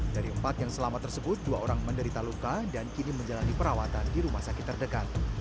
dari empat yang selamat tersebut dua orang menderita luka dan kini menjalani perawatan di rumah sakit terdekat